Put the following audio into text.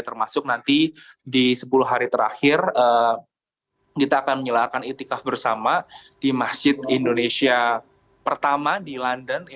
termasuk nanti di sepuluh hari terakhir kita akan menyelarkan itikaf bersama di masjid indonesia pertama di london